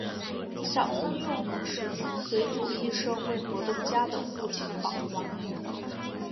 小森幼年时曾随左翼社会活动家的父亲访华。